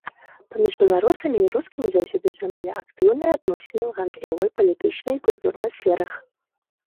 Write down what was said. Паміж беларусамі і рускімі заўсёды існавалі актыўныя адносіны ў гандлёвай, палітычнай і культурнай сферах.